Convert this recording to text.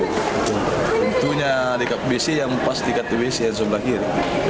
tentunya di kap bc yang pas di kap bc yang sebelah kiri